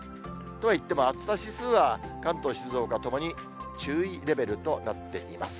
とはいっても暑さ指数は関東、静岡ともに注意レベルとなっています。